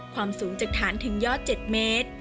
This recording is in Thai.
ความสูงจากฐานถึงยอด๗เมตร